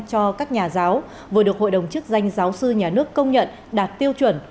cho các nhà giáo vừa được hội đồng chức danh giáo sư nhà nước công nhận đạt tiêu chuẩn